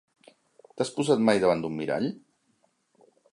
T'has posat mai davant d'un mirall?